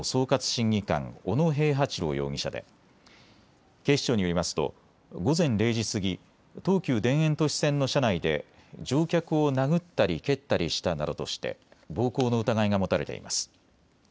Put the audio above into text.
審議官、小野平八郎容疑者で警視庁によりますと午前０時過ぎ東急田園都市線の車内で乗客を殴ったり蹴ったりしたなどとして暴行の疑いが持たれています。